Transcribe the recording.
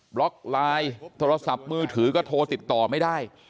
บล็อกไลน์โทรศัพท์มือถือก็โทรติดต่อไม่ได้